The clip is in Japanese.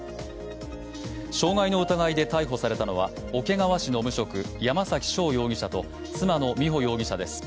傷害の疑いで逮捕されたのは桶川市の無職、山崎翔容疑者と妻の美穂容疑者です。